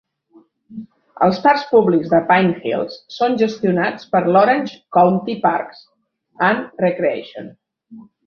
Els parcs públics de Pine Hills són gestionats per l'Orange County Parks and Recreation.